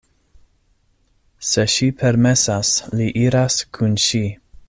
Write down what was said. Se ŝi permesas, li iras kun ŝi.